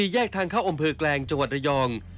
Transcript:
แยกทางเข้าอำเภอแกลงจังหวัดระยอง